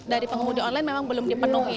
dari pengemudi online memang belum dipenuhi